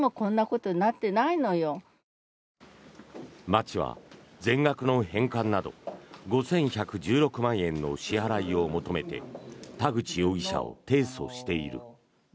町は全額の返還など５１１６万円の支払いを求めて田口容疑者を提訴している。